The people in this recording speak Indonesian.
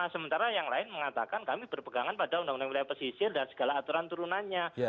sementara yang lain mengatakan kami berpegangan pada undang undang wilayah pesisir dan segala aturan turunannya